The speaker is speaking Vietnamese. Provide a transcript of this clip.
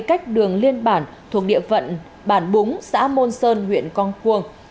cách đường liên bản thuộc địa phận bản búng xã môn sơn huyện con cuông